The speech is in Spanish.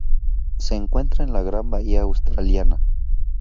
Se encuentra en la Gran Bahía Australiana.